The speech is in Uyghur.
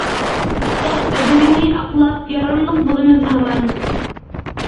ئۇستاز ئەجرىنى ئاقلاپ، ياراملىق بولىمىز ھامان.